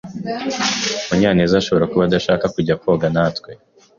Munyanez ashobora kuba adashaka kujya koga natwe.